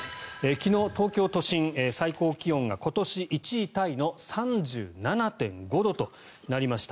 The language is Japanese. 昨日、東京都心最高気温が今年１位タイの３７．５度となりました。